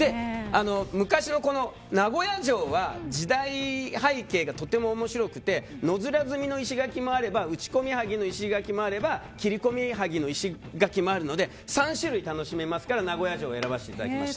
昔の名古屋城は時代背景がとても面白くてのづらの石垣もあるし打ち込みもあるし切り込みはぎの石垣もあるので３種類楽しめますから名古屋城を選ばせていただきました。